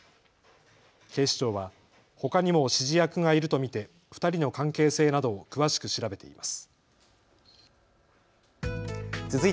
警視庁はほかにも指示役がいると見て２人の関係性などを詳しく調べています。